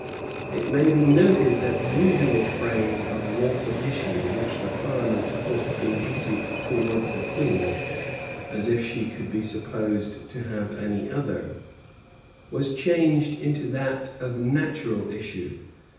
It may be noted, that the usual phrase of "lawful issue," which the parliament thought indecent towards the queen, as if she could be supposed to have any other, was changed into that of "natural issue."